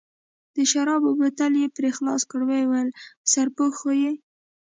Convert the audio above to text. د شرابو بوتل یې پرې خلاص کړ، ویې ویل: سرپوښ خو یې.